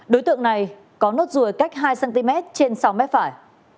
đối tượng này có nốt ruồi cách hai cm trên sáu m phải